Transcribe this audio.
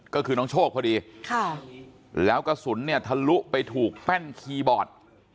ก็คือน้องโชคพอดีแล้วกระสุนเนี่ยทะลุไปถูกแป้นคีย์บอร์ด